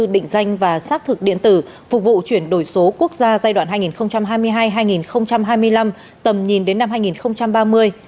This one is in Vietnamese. định danh và xác thực điện tử phục vụ chuyển đổi số quốc gia giai đoạn hai nghìn hai mươi hai hai nghìn hai mươi năm tầm nhìn đến năm hai nghìn ba mươi